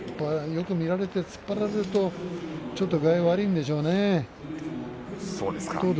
よく見られて突っ張られると具合が悪いんでしょうね。